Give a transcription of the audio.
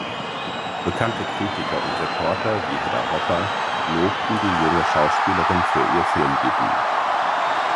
Bekannte Kritiker und Reporter wie Hedda Hopper lobten die junge Schauspielerin für ihr Filmdebüt.